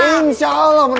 insya allah menang